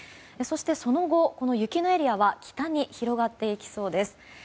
そしてその後、雪のエリアは北に広がっていきそうです。